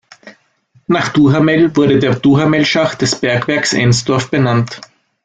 Nach Duhamel wurde der Duhamel-Schacht des Bergwerks Ensdorf benannt.